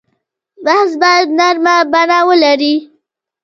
بحث باید نرمه بڼه ولري.